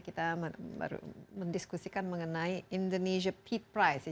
kita mendiskusikan mengenai indonesia peat price ya